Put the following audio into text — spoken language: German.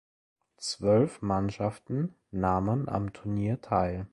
Zwölf Mannschaften nehmen am Turnier teil.